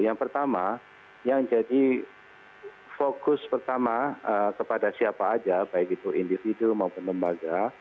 yang pertama yang jadi fokus pertama kepada siapa aja baik itu individu maupun lembaga